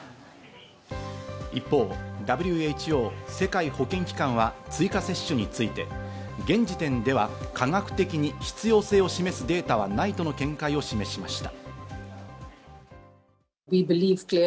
一方、ＷＨＯ＝世界保健機関は追加接種について、現時点では科学的に必要性を示すデータはないとの見解を示しました。